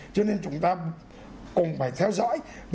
cho nên chúng ta cũng phải theo dõi